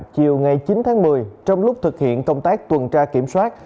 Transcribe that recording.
chiều ngày chín tháng một mươi trong lúc thực hiện công tác tuần tra kiểm soát